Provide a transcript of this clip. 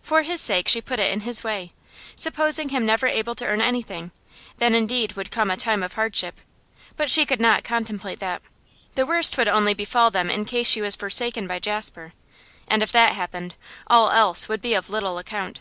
For his sake she put it in his way. Supposing him never able to earn anything, then indeed would come a time of hardship; but she could not contemplate that. The worst would only befall them in case she was forsaken by Jasper, and if that happened all else would be of little account.